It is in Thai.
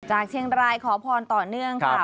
เชียงรายขอพรต่อเนื่องค่ะ